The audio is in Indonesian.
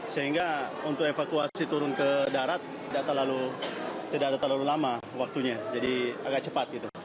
sehingga untuk evakuasi turun ke darat tidak terlalu lama waktunya jadi agak cepat